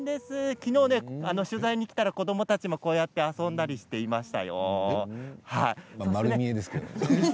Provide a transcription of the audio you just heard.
昨日、取材に来たら子どもたちもこうやって遊んだりしていましたよ。